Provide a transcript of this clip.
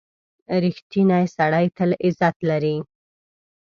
• رښتینی سړی تل عزت لري.